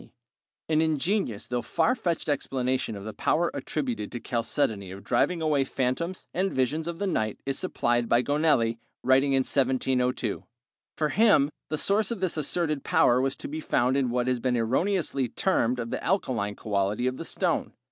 ] An ingenious though far fetched explanation of the power attributed to chalcedony of driving away phantoms and visions of the night is supplied by Gonelli, writing in 1702. For him the source of this asserted power was to be found in what has been erroneously termed the alkaline quality of the stone.